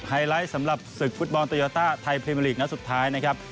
ไลท์สำหรับศึกฟุตบอลโตโยต้าไทยพรีเมอร์ลีกนัดสุดท้ายนะครับ